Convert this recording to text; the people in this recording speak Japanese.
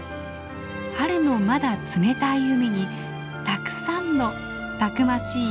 春のまだ冷たい海にたくさんのたくましい